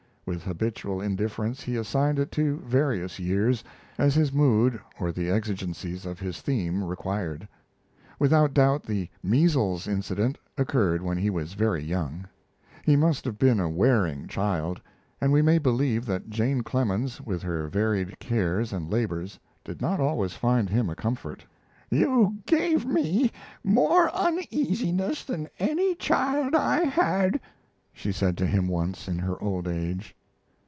With habitual indifference he assigned it to various years, as his mood or the exigencies of his theme required. Without doubt the "measles" incident occurred when he was very young.] He must have been a wearing child, and we may believe that Jane Clemens, with her varied cares and labors, did not always find him a comfort. "You gave me more uneasiness than any child I had," she said to him once, in her old age.